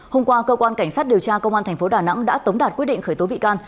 hôm qua cơ quan cảnh sát điều tra công an tp đà nẵng đã tống đạt quyết định khởi tố bị can